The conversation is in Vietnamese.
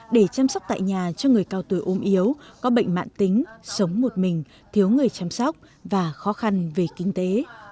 để chăm sóc tại nhà cho người cao tuổi ốm yếu có bệnh mạng tính sống một mình thiếu người chăm sóc và khó khăn về kinh tế